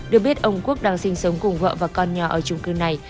được biết ông quốc đang sinh sống cùng vợ và con nhỏ ở trung cư này